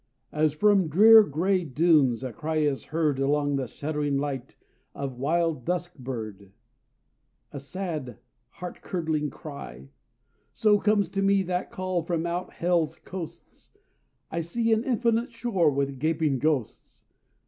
As from drear gray dunes A cry is heard along the shuddering light, Of wild dusk bird, a sad, heart curdling cry, So comes to me that call from out hell's coasts; I see an infinite shore with gaping ghosts!